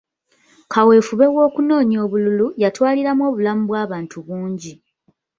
Kaweefube w'okunoonya obululu yatwaliramu obulamu bw'abantu bungi.